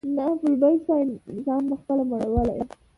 نه بلبل سوای ځان پخپله مړولای